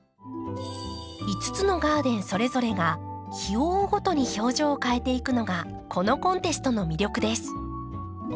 ５つのガーデンそれぞれが日を追うごとに表情を変えていくのがこのコンテストの魅力です。